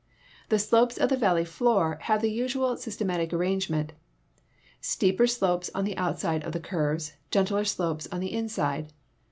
The slopes of the valley floor have the usual systematic arrangement — steeper slopes on the outside of the curves, gentler slopes on the inside.